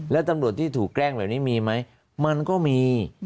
แล้วตำรวจที่ถูกแกล้งแบบนี้มีไหมมันก็มี